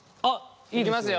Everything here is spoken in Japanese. いきますよ。